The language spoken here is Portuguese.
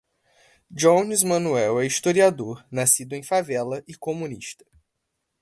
Jones Manoel é historiador, nascido em favela e comunista